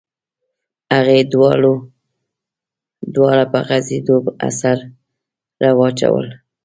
هغې دواړه پر غځېدلې اسره واچول.